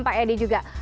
pak edi juga